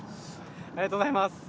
ありがとうございます。